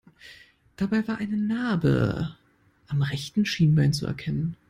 Dabei war eine Narbe am rechten Schienbein zu erkennen.